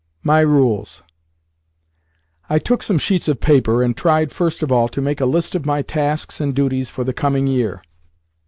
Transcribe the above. MY RULES I TOOK some sheets of paper, and tried, first of all, to make a list of my tasks and duties for the coming year.